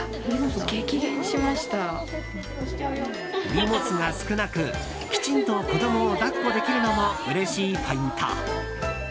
荷物が少なくきちんと子供を抱っこできるのもうれしいポイント。